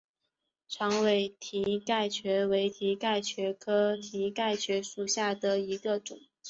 长尾蹄盖蕨为蹄盖蕨科蹄盖蕨属下的一个种。